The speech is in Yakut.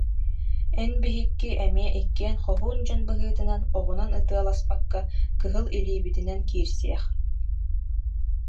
Эн биһикки эмиэ иккиэн хоһуун дьон быһыытынан, оҕунан ытыаласпакка, кыһыл илиибитинэн киирсиэх